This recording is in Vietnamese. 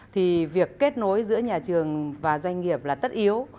thì việc kết nối giữa nhà trường và doanh nghiệp là tất yếu